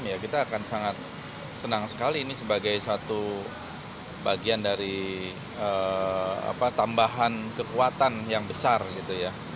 ya kita akan sangat senang sekali ini sebagai satu bagian dari tambahan kekuatan yang besar gitu ya